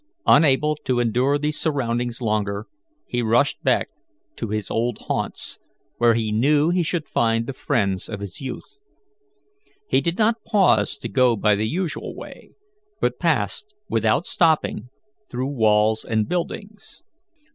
Unable to endure these surroundings longer, he rushed back to his old haunts, where he knew he should find the friends of his youth. He did not pause to go by the usual way, but passed, without stopping, through walls and buildings.